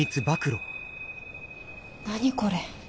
何これ？